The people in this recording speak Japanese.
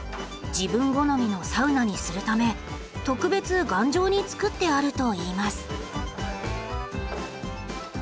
自分好みのサウナにするため特別頑丈に作ってあるといいます。